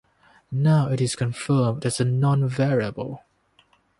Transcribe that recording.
Now it is confirmed as a non-variable.